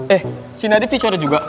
eh si nadif dicoret juga